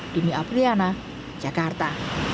dini apriana jakarta